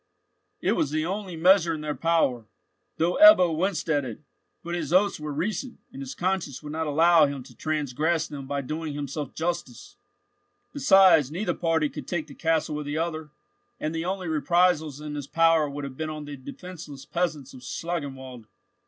It was the only measure in their power, though Ebbo winced at it; but his oaths were recent, and his conscience would not allow him to transgress them by doing himself justice. Besides, neither party could take the castle of the other, and the only reprisals in his power would have been on the defenceless peasants of Schlangenwald.